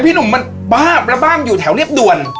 พี่หนุ่มมันบ้ามอยู่แถวเรียบด่วน